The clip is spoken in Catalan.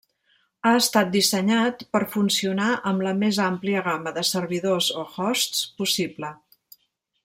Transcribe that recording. Ha estat dissenyat per funcionar amb la més àmplia gamma de servidors o hosts possible.